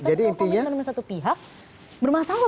tapi kalau komitmen dari satu pihak bermasalah